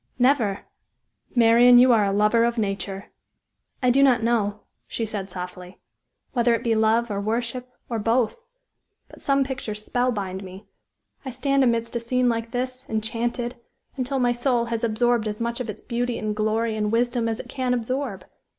"Never." "Marian, you are a lover of nature." "I do not know," she said, softly, "whether it be love, or worship, or both; but some pictures spell bind me. I stand amidst a scene like this, enchanted, until my soul has absorbed as much of its beauty and glory and wisdom as it can absorb.